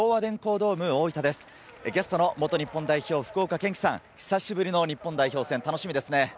ゲストの元日本代表・福岡堅樹さん、久しぶりの日本代表戦、楽しみですね。